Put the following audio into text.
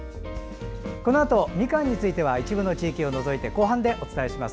このあとみかんについては一部の地域を除いて後半でお伝えします。